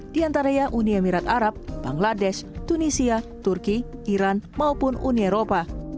di antaranya uni emirat arab bangladesh tunisia turki iran maupun uni eropa